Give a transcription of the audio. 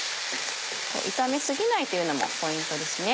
炒め過ぎないというのもポイントですね。